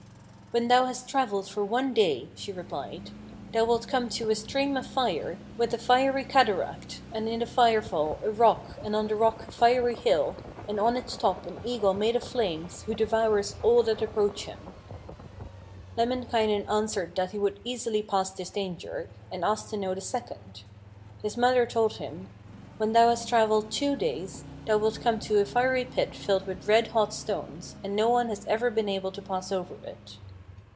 'When thou hast travelled for one day,' she replied, 'thou wilt come to a stream of fire, with a fiery cataract, and in the fire fall a rock, and on the rock a fiery hill, and on its top an eagle made of flames, who devours all that approach him.' Lemminkainen answered that he would easily pass this danger, and asked to know the second. His mother told him: 'When thou hast travelled two days, thou wilt come to a fiery pit filled with red hot stones, and no one has ever been able to pass over it.'